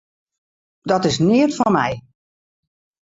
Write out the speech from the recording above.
Dat is neat foar my.